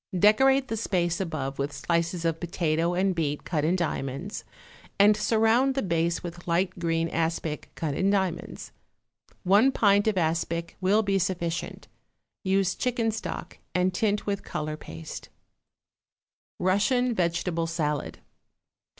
Decorate the space above with slices of potato and beet cut in diamonds, and surround the base with light green aspic cut in diamonds. One pint of aspic will be sufficient; use chicken stock, and tint with color paste. =Russian Vegetable Salad.